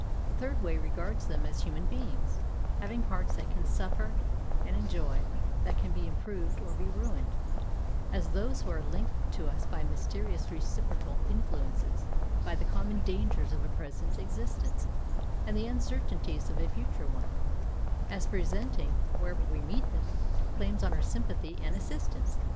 A third way regards them as human beings, having hearts that can suffer and enjoy, that can be improved or be ruined; as those who are linked to us by mysterious reciprocal influences, by the common dangers of a present existence, and the uncertainties of a future one; as presenting, wherever we meet them, claims on our sympathy and assistance.